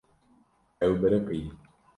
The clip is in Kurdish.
Ew biriqî.